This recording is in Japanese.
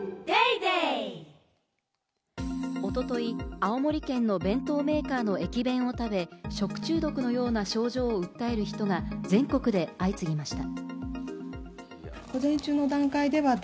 青森県の弁当メーカーの駅弁を食べ、食中毒のような症状を訴える人が全国で相次ぎました。